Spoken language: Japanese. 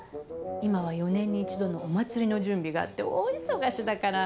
今は４年に１度のお祭りの準備があって大忙しだから。